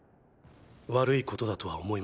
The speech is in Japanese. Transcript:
悪いことだとは思いません。